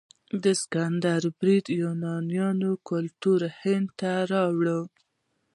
د سکندر برید یوناني کلتور هند ته راوړ.